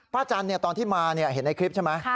ป้าจันเนี่ยตอนที่มาเนี่ยเห็นในคลิปใช่ไหม